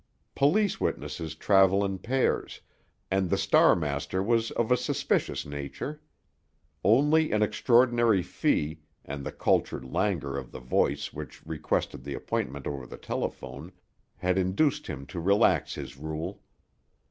Police witnesses travel in pairs, and the Star master was of a suspicious nature. Only an extraordinary fee, and the cultured languor of the voice which requested the appointment over the telephone, had induced him to relax his rule.